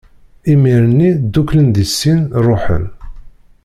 Imir-nni, dduklen di sin, ṛuḥen.